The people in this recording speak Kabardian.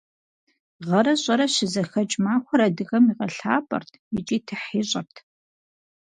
Гъэрэ щӏырэ щызэхэкӏ махуэр адыгэм игъэлӏапӏэрт икӏи тыхь ищӏырт.